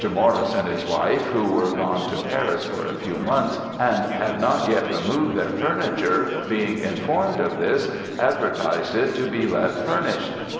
Maurice and his wife, who were gone to Paris for a few months, and had not yet removed their furniture, being informed of this, advertised it to be let furnished.